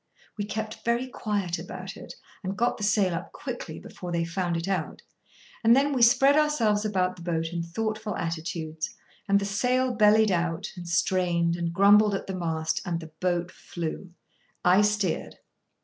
We kept very quiet about it, and got the sail up quickly before they found it out, and then we spread ourselves about the boat in thoughtful attitudes, and the sail bellied out, and strained, and grumbled at the mast, and the boat flew. I steered.